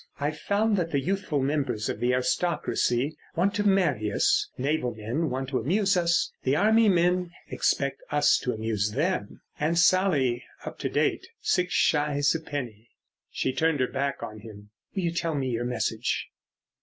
I've found that the youthful members of the aristocracy want to marry us, naval men want to amuse us, the army men expect us to amuse them—Aunt Sally up to date, six shies a penny!" She turned her back on him. "Will you tell me your message?"